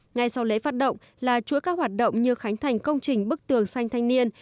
ngay sau lễ phát động là chuỗi các hoạt động như khánh thành công trình bức tường xanh thanh niên